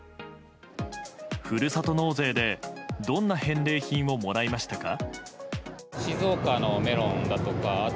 ふるさと納税でどんな返礼品をもらいましたか。